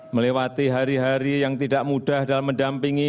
melewati hari hari yang tidak mudah dalam mendampingi